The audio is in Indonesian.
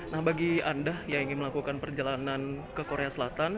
nah bagi anda yang ingin melakukan perjalanan ke korea selatan